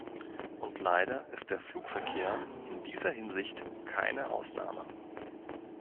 Und leider ist der Flugverkehr in dieser Hinsicht keine Ausnahme.